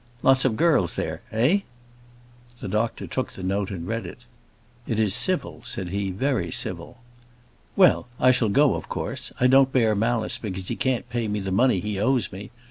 Lots of girls there eh?" The doctor took the note and read it. "It is civil," said he; "very civil." "Well; I shall go, of course. I don't bear malice because he can't pay me the money he owes me.